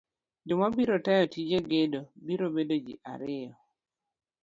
joma biro tayo tij gedo biro bedo ji ariyo.